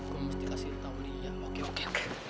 gue mesti kasih tau lia oke oke